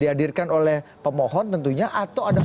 diadirkan oleh pemohon tentunya atau ada orang lain yang anda baca